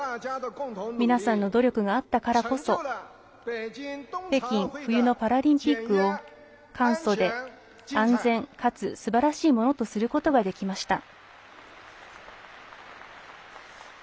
皆さんの努力があったからこそ北京冬のパラリンピックを簡素で安全かつすばらしいものとすることができました。